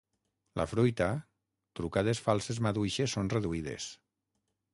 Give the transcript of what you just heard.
La fruita, trucades falses maduixes són reduïdes.